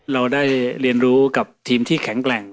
เราได้เรียนรู้กับทีมที่แข็งแกร่ง